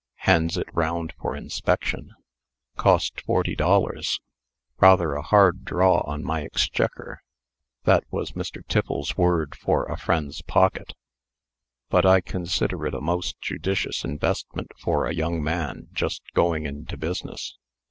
(hands it round for inspection). "Cost forty dollars. Rather a hard draw on my exchequer" (that was Mr. Tiffles's word for a friend's pocket); "but I considered it a most judicious investment for a young man just going into business."